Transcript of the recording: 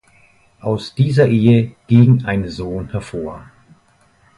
Aus dieser Ehe ging ein Sohn hervor.